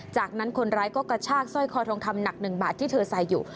จากนั้นคนร้ายก็กระชากสร้อยคอทองคำหนัก๑บาทที่เธอใส่อยู่